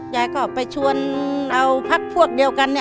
ยายก็ไปชวนเอาพักพวกเดียวกัน